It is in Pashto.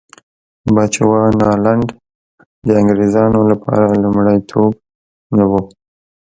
بچوانالنډ د انګرېزانو لپاره لومړیتوب نه و.